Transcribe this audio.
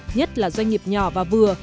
nhất là doanh nghiệp nhỏ và vừa